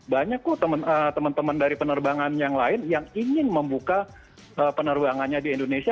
banyak kok teman teman dari penerbangan yang lain yang ingin membuka penerbangannya di indonesia